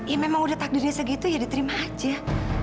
ya memang udah takdirnya segitu ya diterima aja